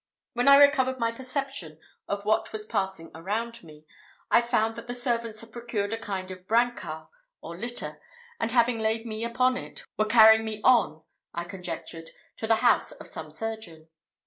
When I recovered my perception of what was passing around me, I found that the servants had procured a kind of brancard, or litter, and having laid me upon it, were carrying me on, I conjectured, to the house of some surgeon.